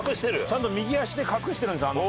ちゃんと右足で隠してるんです。